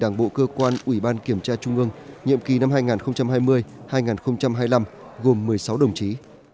năm hai nghìn hai mươi hai nghìn hai mươi năm gồm một mươi sáu đồng chí